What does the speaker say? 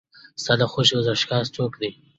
ستا د خوښې ورزشکار څوک دی؟